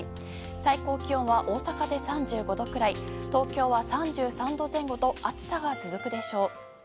最高気温は大阪で３５度くらい東京は３３度前後と暑さが続くでしょう。